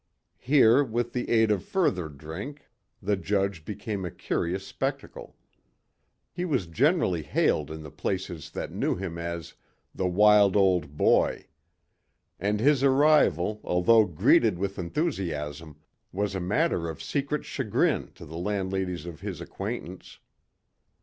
Here with the aid of further drink the judge became a curious spectacle. He was generally hailed in the places that knew him as "the wild old boy". And his arrival although greeted with enthusiasm was a matter of secret chagrin to the landladies of his acquaintance.